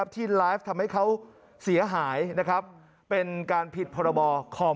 ที่ไลฟ์ทำให้เขาเสียหายนะครับเป็นการผิดพรบคอม